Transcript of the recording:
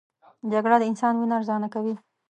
جګړه د انسان وینه ارزانه کوي